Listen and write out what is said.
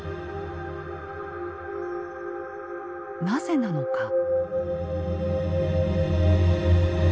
なぜなのか？